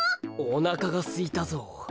おなかがすいたぞう。